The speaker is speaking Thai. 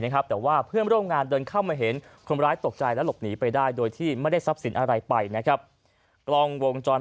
แต่ว่าเพื่อนร่วมงานเดินเข้ามาเห็นคนร้ายตกใจและหลบหนีไปได้โดยที่ไม่ได้ทรัพย์สินอะไรไปนะครับกล้องวงจร